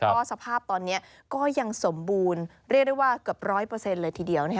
ก็สภาพตอนนี้ก็ยังสมบูรณ์เรียกได้ว่าเกือบ๑๐๐เลยทีเดียว